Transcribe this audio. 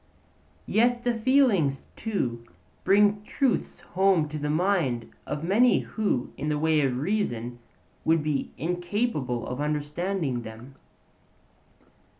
Yet the feelings too bring truths home to the minds of many who in the way of reason would be incapable of understanding them.